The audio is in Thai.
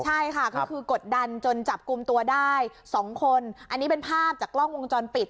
ใช่ค่ะก็คือกดดันจนจับกลุ่มตัวได้๒คนอันนี้เป็นภาพจากกล้องวงจรปิด